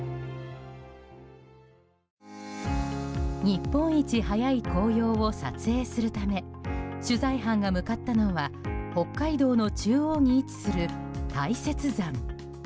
日本一早い紅葉を撮影するため取材班が向かったのは北海道の中央に位置する大雪山。